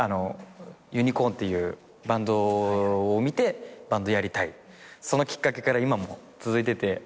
ユニコーンっていうバンドを見て「バンドやりたい」そのきっかけから今も続いてて。